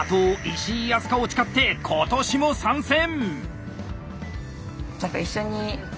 石井あすかを誓って今年も参戦！